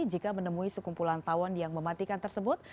jika menemui sekumpulan tawon yang mematikan tersebut